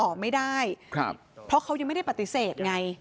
ติดต่อไม่ได้เพราะเขายังไม่ได้ปฏิเสธไง